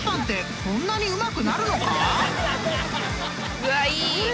うわっいい！